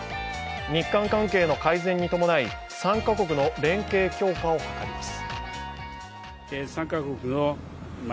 日韓関係の改善に伴い３か国の連携強化を図ります。